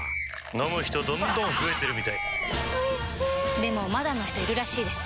飲む人どんどん増えてるみたいおいしでもまだの人いるらしいですよ